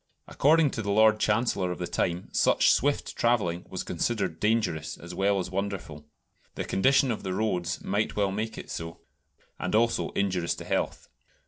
According to the Lord Chancellor of the time such swift travelling was considered dangerous as well as wonderful the condition of the roads might well make it so and also injurious to health.